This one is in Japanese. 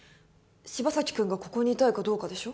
柴咲君がここにいたいかどうかでしょ